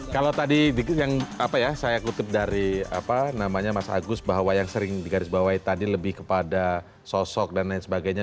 kalau tadi dikit yang apa ya saya kutip dari apa namanya mas agus bahwa yang sering di garis bawah tadi lebih kepada sosok dan lain sebagainya